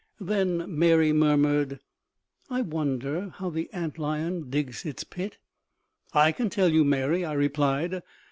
Then Mary murmured, "I wonder how the ant lion digs its pit." "I can tell you, Mary," I replied.